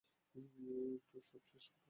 তো, সব শেষ তাহলে।